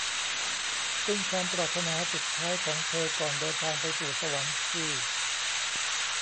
ซึ่งความปรารถนาสุดท้ายของเธอก่อนเดินทางไปสู่สวรรค์คือ